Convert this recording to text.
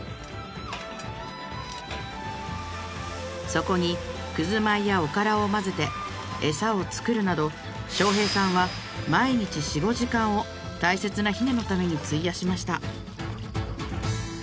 そこにくず米やおからを混ぜてエサを作るなど将兵さんはを大切なヒナのために費やしました